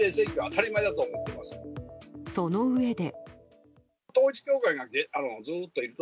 そのうえで。